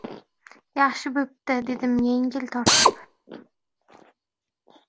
— Yaxshi bo‘pti! — dedim yengil tortib.